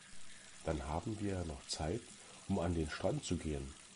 Dann haben wir ja noch Zeit, um an den Strand zu gehen.